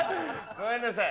ごめんなさい。